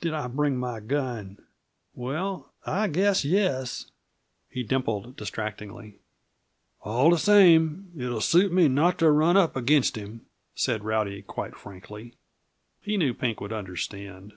Did I bring m' gun! Well, I guess yes!" He dimpled distractingly. "All the same, it'll suit me not to run up against him," said Rowdy quite frankly. He knew Pink would understand.